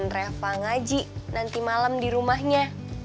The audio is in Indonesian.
ngajarin reva ngaji nanti malem di rumahnya